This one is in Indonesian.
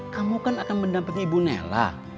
kamu kan akan mendapatkan ibu nela